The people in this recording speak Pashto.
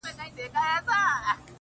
وجود به اور واخلي د سرې ميني لاوا به سم؛